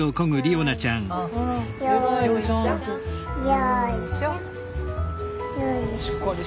よいしょ。